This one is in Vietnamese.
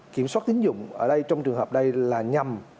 kiểm soát tín dụng ở đây trong trường hợp đây là nhằm